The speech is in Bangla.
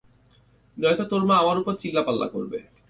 নয়তো তোর মা আমার উপর চিল্লাপাল্লা করবে।